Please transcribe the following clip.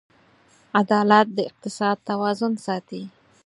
عدالت د اقتصاد توازن ساتي.